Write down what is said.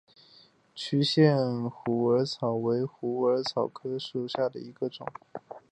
区限虎耳草为虎耳草科虎耳草属下的一个种。